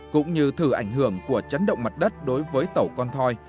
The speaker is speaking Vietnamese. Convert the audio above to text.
cũng như thử ảnh hưởng của chấn động mặt đất đối với tàu con thoi